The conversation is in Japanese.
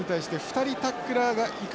２人タックラーがいく。